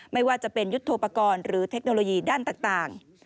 ไม่ว่าจะเป็นยุทธโปรกรณ์หรือเทคโนโลยีด้านต่าง